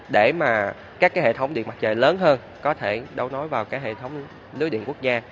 để mà các cái hệ thống điện mặt trời lớn hơn có thể đấu nối vào cái hệ thống lưới điện quốc gia